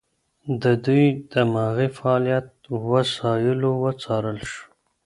د دوی دماغي فعالیت وسایلو وڅارل شو.